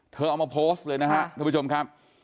เธอเอามาโพสต์เลยนะฮะทุกผู้คุณผู้ชมครับ